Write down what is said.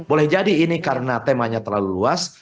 boleh jadi ini karena temanya terlalu luas